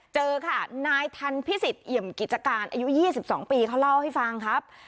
เจอค่ะนายทันพิสิทธิเอี่ยมกิจการอายุ๒๒ปีเขาเล่าให้ฟังครับ